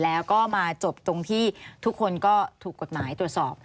แล้วก็มาจบตรงที่ทุกคนก็ถูกกฎหมายตรวจสอบ